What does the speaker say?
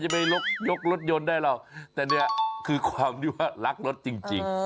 ไม่ยกรถยนต์ได้หรอกแต่เนี่ยคือความที่ว่ารักรถจริง